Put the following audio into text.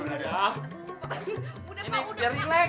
ini sudah relax